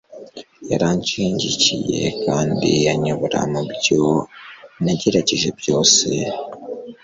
yaranshigikiye kandi anyobora mubyo nagerageje byose